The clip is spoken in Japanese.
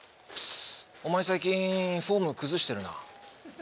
お前最近フォーム崩してるな。